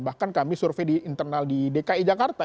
bahkan kami survei di internal di dki jakarta